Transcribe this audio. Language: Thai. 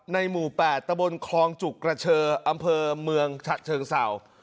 หมู่๘ตะบนคลองจุกกระเชออำเภอเมืองฉะเชิงเศร้า